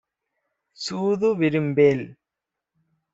சூது விரும்பேல்.